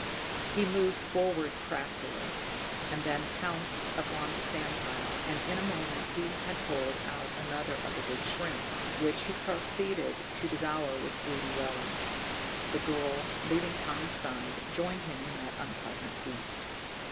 He moved forward craftily, and then pounced upon the sand pile, and in a moment had pulled out another of the big shrimps, which he proceeded to devour with greedy relish. The girl, leaving Tommy's side, joined him in that unpleasant feast.